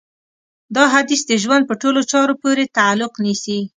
دا حديث د ژوند په ټولو چارو پورې تعلق نيسي.